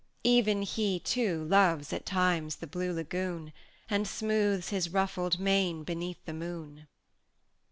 Even He too loves at times the blue lagoon, And smooths his ruffled mane beneath the Moon.